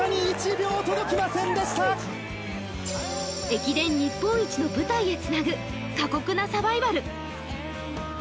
駅伝日本一の舞台へつなぐ過酷なサバイバル。